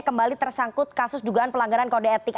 kembali tersangkut kasus dugaan pelanggaran kode etik